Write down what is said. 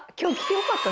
よかった！